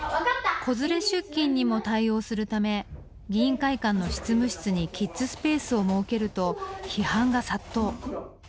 子連れ出勤にも対応するため議員会館の執務室にキッズスペースを設けると批判が殺到。